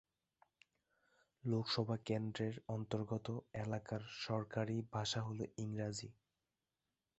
লোকসভা কেন্দ্রের অন্তর্গত এলাকার সরকারি ভাষা হল ইংরাজী।